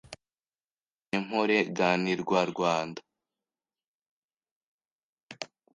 Nti e mpore ga ni rwa Rwanda